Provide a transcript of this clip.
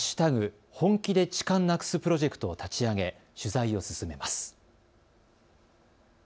本気で痴漢なくすプロジェクトを立ち上げ取材を進めます。